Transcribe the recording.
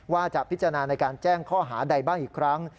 ว่าจะพิจารณาในการแจ้งข้อหาใดบ้างอีกครั้ง